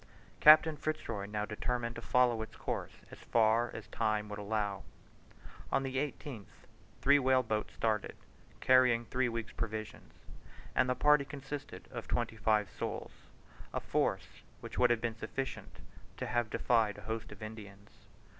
Captain Fitz Roy now determined to follow its course as far as time would allow. On the 18th three whale boats started, carrying three weeks' provisions; and the party consisted of twenty five souls a force which would have been sufficient to have defied a host of Indians.